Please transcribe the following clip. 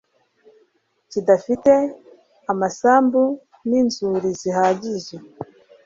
kidafite amasambu n'inzuri zihagije